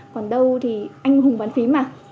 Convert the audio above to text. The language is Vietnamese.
còn đâu thì anh hùng bàn phím à